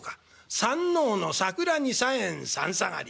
『山王の桜に茶園三下がり』。